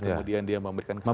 kemudian dia memberikan kesaksian